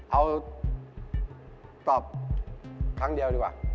เอาตอบครั้งเดียวดีกว่า